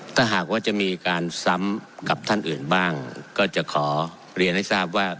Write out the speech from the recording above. ถ้าหากว่าจะมีการซ้ำกับท่านอื่นบ้างก็จะขอเรียนให้ทราบว่า